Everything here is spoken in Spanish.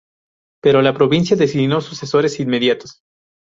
Pero, la provincia designó sucesores inmediatos.